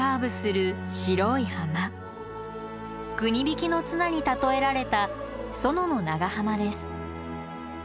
国引きの綱に例えられた薗の長浜です